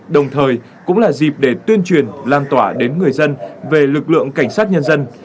đồng thời cũng là dịp để tuyên truyền lan tỏa đến người dân về lực lượng cảnh sát nhân dân